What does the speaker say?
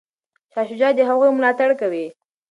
شاه شجاع د هغوی ملاتړ کوي.